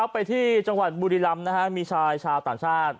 ไปที่จังหวัดบุรีรำมีชายชาวต่างชาติ